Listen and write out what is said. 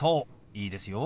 いいですよ。